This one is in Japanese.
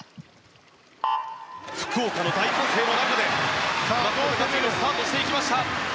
福岡の大歓声の中でスタートしていきました。